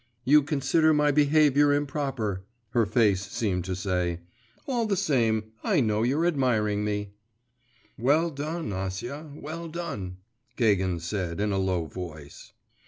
'You consider my behaviour improper,' her face seemed to say; 'all the same, I know you're admiring me.' 'Well done, Acia, well done,' Gagin said in a low voice.